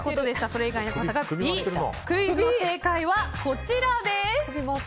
それ以外の方がＢクイズの正解はこちらです。